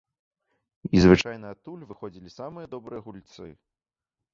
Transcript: І звычайна адтуль выходзілі самыя добрыя гульцы.